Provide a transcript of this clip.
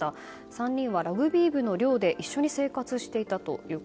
３人はラグビー部の寮で一緒に生活をしていたと。